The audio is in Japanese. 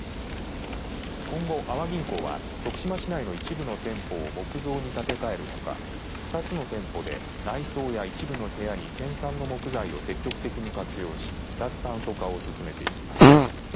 今後、阿波銀行は徳島市内の一部の店舗を木造に建て替えるほか２つの店舗で内装や一部の部屋に県産の木材を積極的に活用し脱炭素化を進めていきます。